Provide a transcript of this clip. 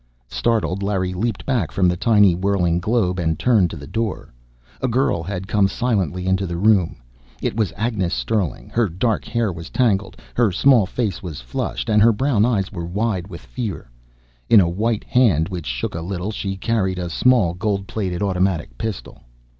Startled, Larry leaped back from the tiny, whirling globe and turned to the door. A girl had come silently into the room. It was Agnes Sterling. Her dark hair was tangled. Her small face was flushed, and her brown eyes were wide with fear! In a white hand, which shook a little, she carried a small, gold plated automatic pistol.